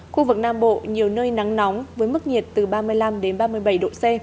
khu vực nam bộ nhiều nơi nắng nóng với mức nhiệt từ ba mươi năm đến ba mươi bảy độ c